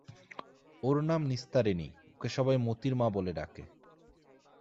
ওর নাম নিস্তারিণী, ওকে সবাই মোতির মা বলে ডাকে।